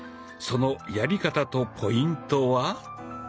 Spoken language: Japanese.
そのやり方とポイントは？